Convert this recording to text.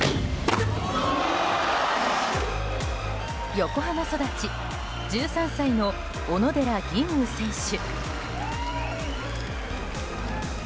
横浜育ち１３歳の小野寺吟雲選手。